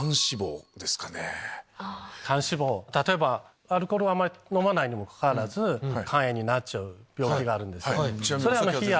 例えばアルコールはあまり飲まないにもかかわらず肝炎になっちゃう病気があるんです。